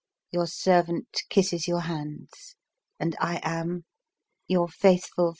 Your servant kisses your hands, and I am Your faithful.